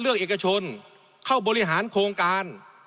เอกชนเข้าบริหารโครงการ